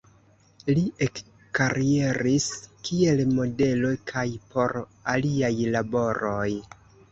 Li ekkarieris kiel modelo kaj por aliaj laboroj.